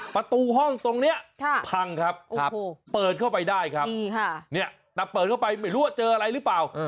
ประตูห้องตรงนี้พังครับเปิดเข้าไปได้ครับเนี่ยแต่เปิดเข้าไปไม่รู้ว่าเจออะไรหรือเปล่า